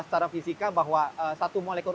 secara fisika bahwa satu molekul